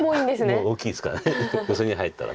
もう大きいですからヨセに入ったら。